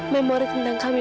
memori tentang kami